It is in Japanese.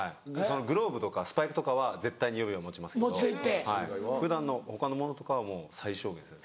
グローブとかスパイクとかは絶対に予備を持ちますけど普段の他のものとかはもう最小限ですね。